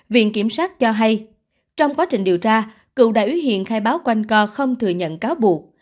viện kiểm sát cho hay trong quá trình điều tra cựu đại úy hiền khai báo quanh co không thừa nhận cáo buộc